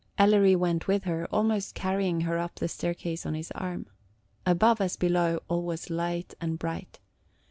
Ellery went with her, almost carrying her up the staircase on his arm. Above, as below, all was light and bright.